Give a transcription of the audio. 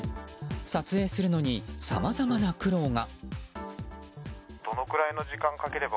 撮影するのにさまざまな苦労が。